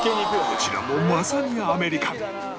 こちらもまさにアメリカン！